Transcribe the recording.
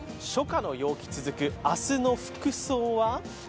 初夏の陽気続く、明日の服装は？